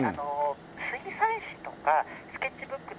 水彩紙とかスケッチブックとか」